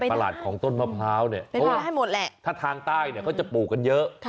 แต่ประหลาดของต้นมะพร้าวนี่เพราะว่าถ้าทางใต้ก็จะปลูกกันเยอะ